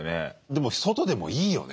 でも外でもいいよね。